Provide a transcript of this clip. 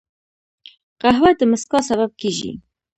قهوه د مسکا سبب کېږي